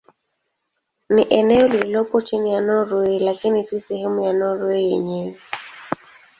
Ni eneo lililopo chini ya Norwei lakini si sehemu ya Norwei yenyewe.